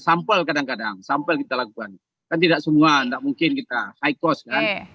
sampel kadang kadang sampel kita lakukan kan tidak semua tidak mungkin kita high cost kan